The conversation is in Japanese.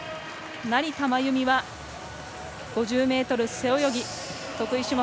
成田真由美は５０ｍ背泳ぎ得意種目。